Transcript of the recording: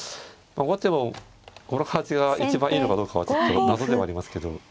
後手もこの形が一番いいのかどうかはちょっと謎ではありますけど。